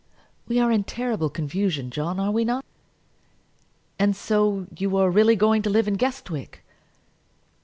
"We are in terrible confusion, John, are we not?" "And so you are really going to live in Guestwick?"